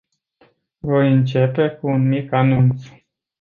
Voi începe cu un mic anunț.